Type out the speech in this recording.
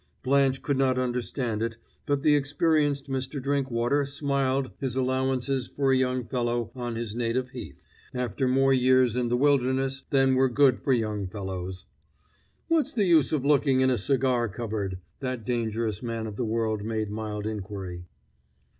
Blanche could not understand it, but the experienced Mr. Drinkwater smiled his allowances for a young fellow on his native heath, after more years in the wilderness than were good for young fellows. "What's the use of looking in a cigar cupboard?" that dangerous man of the world made mild inquiry.